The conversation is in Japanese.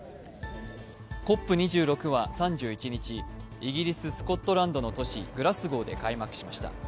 ＣＯＰ２６は３１日、イギリス・スコットランドの都市、グラスゴーで開幕しました。